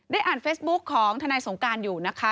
อ่านเฟซบุ๊คของทนายสงการอยู่นะคะ